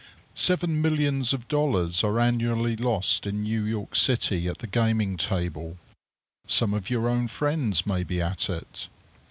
Seven millions of dollars are annually lost in New York city at the gaming table. Some of your own friends may be at it.